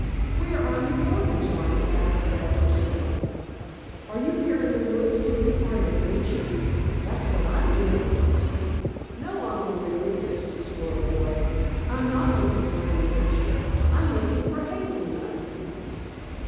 "Where are you going, Johnnie?" asked the rabbit gentleman. "Are you here in the woods, looking for an adventure? That's what I'm doing." "No, Uncle Wiggily," answered the squirrel boy. "I'm not looking for an adventure. I'm looking for hazel nuts."